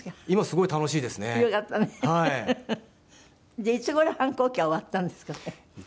でいつ頃反抗期は終わったんですかね？